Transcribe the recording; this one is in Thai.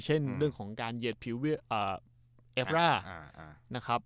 เช่นเรื่องของการเย็ดพิวเวียร์เอฟร่า